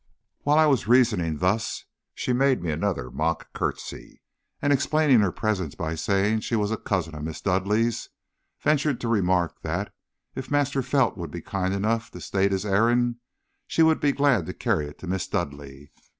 "While I was reasoning thus, she made me another mock courtesy, and explaining her presence by saying she was a cousin of Miss Dudleigh's, ventured to remark that, if Master Felt would be kind enough to state his errand, she would be glad to carry it to Miss Dudleigh.